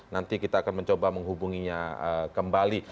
nanti kita akan mencoba menghubunginya kembali